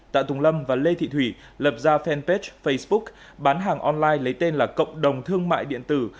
tạ tùng lâm và lê thị thủy lập ra fanpage facebook bán hàng online lấy tên là cộng đồng thương mại điện tử